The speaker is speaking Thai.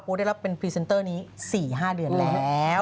ได้รับเป็นพรีเซนเตอร์นี้๔๕เดือนแล้ว